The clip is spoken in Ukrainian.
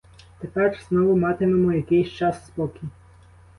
Тепер знову матимемо якийсь час спокій.